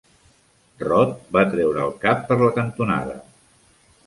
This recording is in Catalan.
Rod va treure el cap per la cantonada.